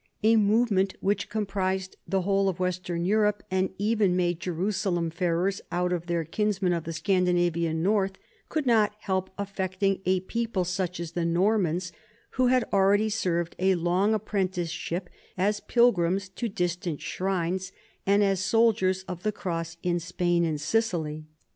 A movement which comprised the whole of western Europe, and even made Jerusalem farers out of their kinsmen of the Scandinavian north, could not help affecting a people such as the Normans, who had already served a long apprenticeship as pil grims to distant shrines and as soldiers of the cross in Spain and Sicily.